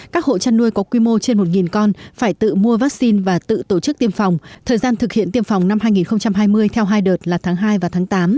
các hộ chăn nuôi có quy mô trên một con phải tự mua vaccine và tự tổ chức tiêm phòng thời gian thực hiện tiêm phòng năm hai nghìn hai mươi theo hai đợt là tháng hai và tháng tám